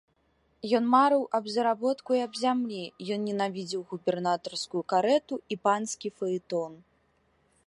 Ён марыў аб заработку і аб зямлі, ён ненавідзеў губернатарскую карэту і панскі фаэтон.